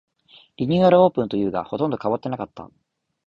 リニューアルオープンというが、ほとんど変わってなかった